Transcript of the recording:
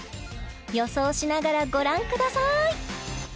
予想しながらご覧ください